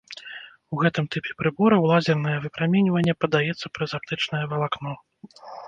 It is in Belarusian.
У гэтым тыпе прыбораў лазернае выпраменьванне падаецца праз аптычнае валакно.